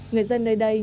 người dân nơi đây nhiều